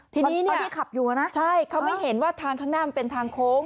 ที่นี่เนี่ยใช่เขาไม่เห็นว่าทางข้างหน้ามันเป็นทางโค้ง